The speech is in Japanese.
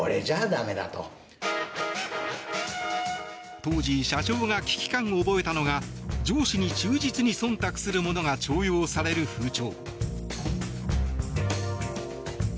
当時、社長が危機感を覚えたのが上司に忠実に忖度するものが重用される風潮。